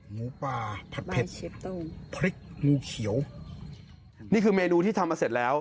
หมูป่าผัดเผ็ดพริกงูเขียวนี่คือเมนูที่ทำมาเสร็จแล้ว